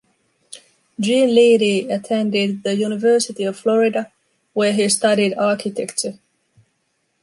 Gene Leedy attended the University of Florida where he studied architecture.